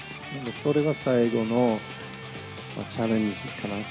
それが最後のチャレンジかな。